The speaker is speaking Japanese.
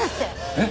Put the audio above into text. えっ！？